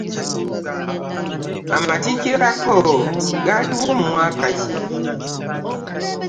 Amatikkira go gaaliwo mu mwaka ki?